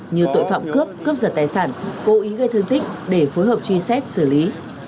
như tội phạm cướp cướp giật tài sản cố ý gây thương tích để phối hợp truy xét xử lý